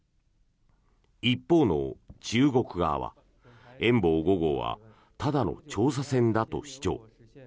一方の中国側は「遠望５号」はただの調査船だと主張。